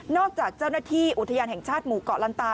จากเจ้าหน้าที่อุทยานแห่งชาติหมู่เกาะลันตา